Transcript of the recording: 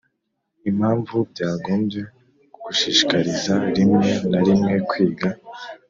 impamvu byagombye kugushishikariza rimwe na rimwe kwiga